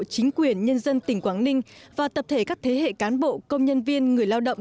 chính quyền nhân dân tỉnh quảng ninh và tập thể các thế hệ cán bộ công nhân viên người lao động